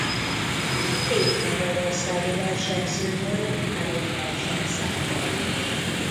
Hét magyarországi versenyző volt három versenyszámban.